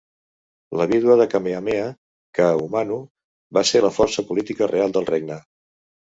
La vídua de Kamehameha, Kaahumanu, va ser la força política real del regne.